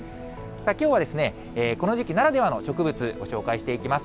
きょうは、この時期ならではの植物、ご紹介していきます。